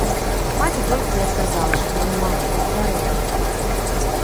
Маці толькі і адказала, што я не магу, бо хварэю.